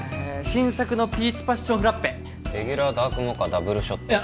新作のピーチパッションフラッペレギュラーダークモカダブルショットあ